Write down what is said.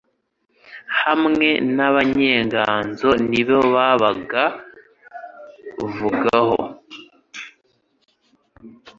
hamwe abanyenganzo nibo babaga vugaho